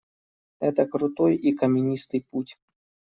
Это крутой и каменистый путь.